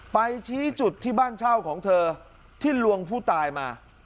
ไปชี้จุดที่บ้านเช่าของเธอที่ลวงผู้ตายมา